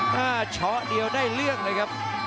ถ้าเฉาะเดียวได้เรื่องเลยครับ